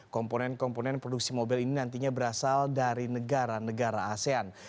komponen komponen produksi mobil ini nantinya berasal dari negara negara asean